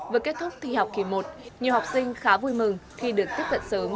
vừa kết thúc thi học kỳ một nhiều học sinh khá vui mừng khi được tiếp cận sớm